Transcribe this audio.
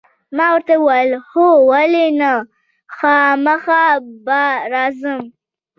ما ورته وویل: هو، ولې نه، خامخا به راځم.